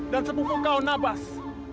dan sepupu kau nabas